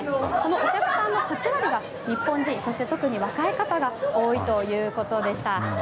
お客さんの８割が日本人特に若い方が多いということでした。